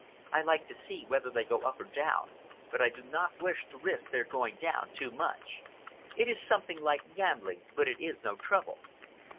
I like to see whether they go up or down, but I do not wish to risk their going down too much. It is something like gambling but it is no trouble."